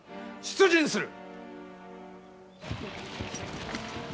出陣する！